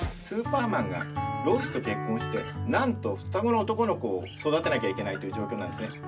スーパーマンがロイスと結婚してなんと双子の男の子を育てなきゃいけないという状況なんですね。